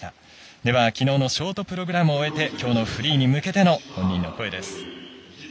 では、きのうのショートプログラムを終えてきょうのフリーに向けての本人の声です。